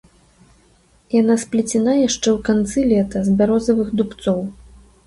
Яна сплецена яшчэ ў канцы лета з бярозавых дубцоў.